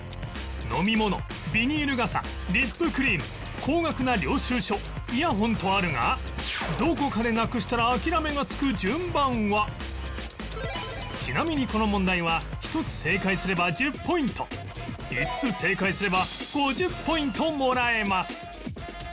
飲み物ビニール傘リップクリーム高額な領収書イヤホンとあるがどこかでちなみにこの問題は１つ正解すれば１０ポイント５つ正解すれば５０ポイントもらえます